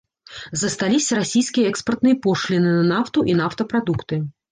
Засталіся расійскія экспартныя пошліны на нафту і нафтапрадукты.